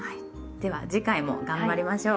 では次回も頑張りましょう。